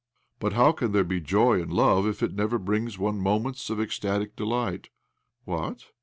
" But how can there be joy in love if it never brings one moments of ecstat'ic delight?" " What